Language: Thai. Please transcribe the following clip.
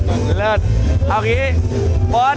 โอเคครับ